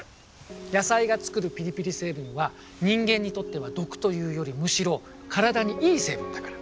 野菜が作るピリピリ成分は人間にとっては毒というよりむしろ体にいい成分だから。